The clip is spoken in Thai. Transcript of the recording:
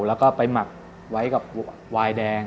แล้วก็ไปหมักไว้กับวายแดง